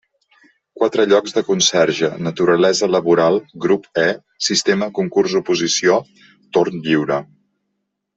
Quatre llocs de conserge, naturalesa laboral, grup E, sistema concurs oposició, torn lliure.